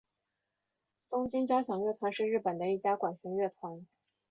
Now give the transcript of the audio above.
东京都交响乐团是日本的一家管弦乐团。